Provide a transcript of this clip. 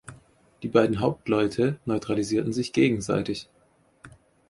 Die beiden Hauptleute neutralisierten sich gegenseitig.